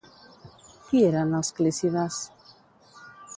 Qui eren els Clícides?